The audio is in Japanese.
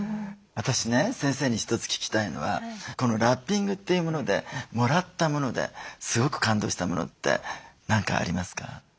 私ね先生に一つ聞きたいのはこのラッピングっていうものでもらった物ですごく感動したものって何かありますか？